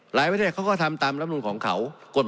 ประเทศเขาก็ทำตามรับนูนของเขา